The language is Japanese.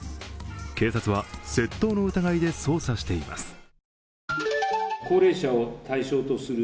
警察は窃盗の疑いで捜査しています。